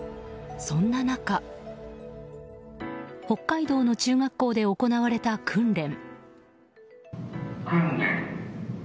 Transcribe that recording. そんな中北海道の中学校で行われた訓練。